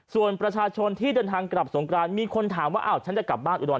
ส่วนประชาชนที่เดินทางกลับสงกรานมีคนถามว่าอ้าวฉันจะกลับบ้านอุดร